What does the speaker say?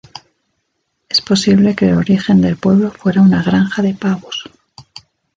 Es posible que el origen del pueblo fuera una granja de pavos.